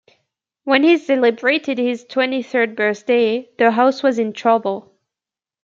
When he celebrated his twenty-third birthday, the house was in trouble.